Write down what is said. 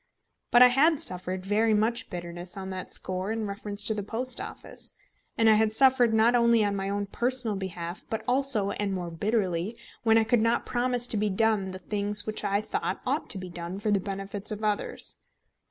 But I had suffered very much bitterness on that score in reference to the Post Office; and I had suffered not only on my own personal behalf, but also and more bitterly when I could not promise to be done the things which I thought ought to be done for the benefit of others.